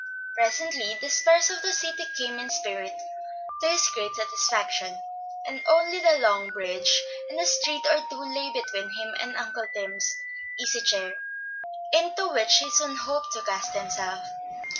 Presently the spires of the city came in sight, to his great satisfaction, and only the long bridge and a street or two lay between him and Uncle Tim's easy chair, into which he soon hoped to cast himself.